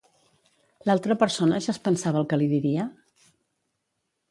L'altra persona ja es pensava el que li diria?